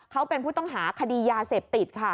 เขาเป็นผู้ต้องหาคดียาเสพติดค่ะ